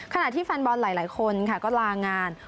ขณะที่แฟนบอลหลายคนค่ะก็ลางาน